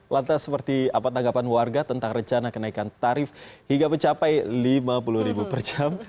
lantas seperti apa tanggapan warga tentang rencana kenaikan tarif hingga mencapai rp lima puluh per jam